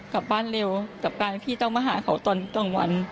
กลับบ้านเร็วกับการที่ต้องมาหาเขาตอนกลางวัน